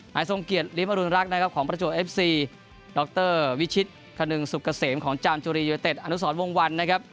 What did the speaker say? นายสมเกียรติริมอรุณรักของประจวดเอฟซีดรวิชิตขนึงสุปกษมณ์ของจามจุริยวเต็ดอณุสรวงวันนะครับ